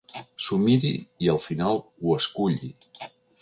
S'ho miri i al final ho esculli.